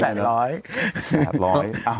หลักร้อย